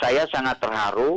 saya sangat terharu